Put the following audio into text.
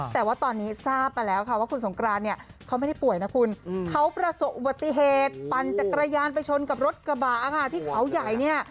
แต่ว่าตอนนี้ทราบมาแล้วค่ะว่าคุณสงกรานเนี่ยเขาไม่ได้ป่วยนะคุณเขาประสบอุบัติเหตุปั่นจักรยานไปชนกับรถกระบะค่ะที่เขาใหญ่เนี่ย